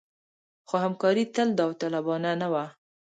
خو همکاري تل داوطلبانه نه وه.